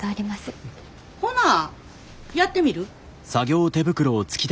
ほなやってみる？